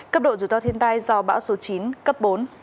cấp độ rủi ro thiên tai do bão số chín cấp bốn